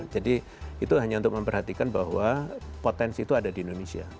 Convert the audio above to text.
jadi itu hanya untuk memperhatikan bahwa potensi itu ada di indonesia